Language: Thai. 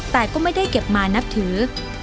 แต่ก็ไม่ได้เก็บมานับถือ